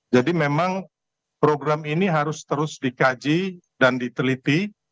jadi memang program ini harus terus dikaji dan diteliti